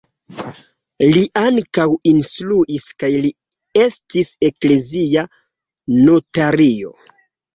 Li ankaŭ instruis kaj li estis eklezia notario.